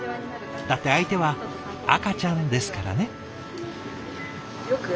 だって相手は赤ちゃんですからね。